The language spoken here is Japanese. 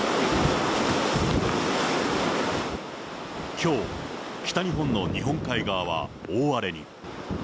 きょう、北日本の日本海側は大荒れに。